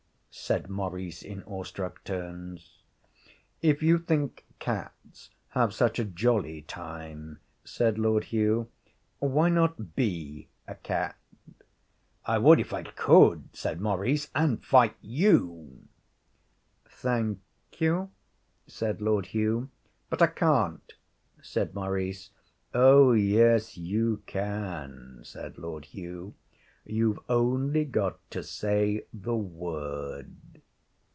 said Maurice in awestruck tones. 'If you think cats have such a jolly time,' said Lord Hugh, 'why not be a cat?' 'I would if I could,' said Maurice, 'and fight you ' 'Thank you,' said Lord Hugh. 'But I can't,' said Maurice. 'Oh, yes, you can,' said Lord Hugh. 'You've only got to say the word.'